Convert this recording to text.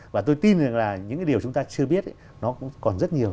và tôi tin rằng là những cái điều chúng ta chưa biết nó cũng còn rất nhiều